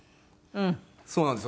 そうなんですよ。